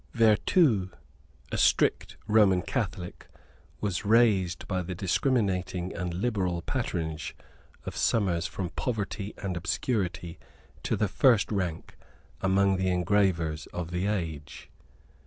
Vertue, a strict Roman Catholic, was raised by the discriminating and liberal patronage of Somers from poverty and obscurity to the first rank among the engravers of the age.